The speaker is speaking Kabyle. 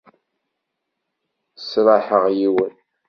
Sraḥeɣ yiwen.